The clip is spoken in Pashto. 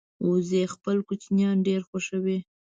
وزې خپل کوچنیان ډېر خوښوي